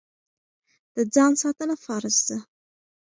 د ځان ساتنه فرض ده.